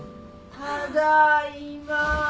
ただいま。